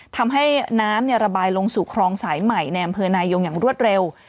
ทำให้น้ำระบายลงสู่คลองสายใหม่ในอำเภอนายงอย่างรวดเร็ว